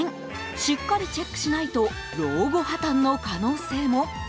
しっかりチェックしないと老後破綻の可能性も？